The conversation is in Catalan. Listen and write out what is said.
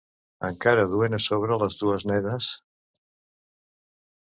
Encara duent a sobre les dues nenes, Cst.